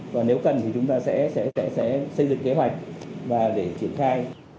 và nếu cần thì chúng ta sẽ xây dựng kế hoạch và để triển khai